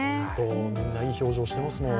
みんないい表情していますもん。